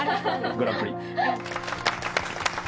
グランプリ。